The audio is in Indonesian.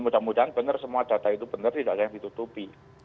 mudah mudahan benar semua data itu benar tidak ada yang ditutupi